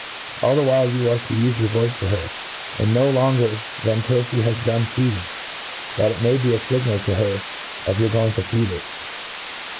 All the while you are to ufe your voice to her, and ho longer than till flie has. done feeding, that l«2 A TREATISE OP ,. that it may be a fignal to her of your going to feed her.